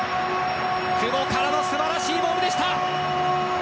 久保からの素晴らしいボールでした！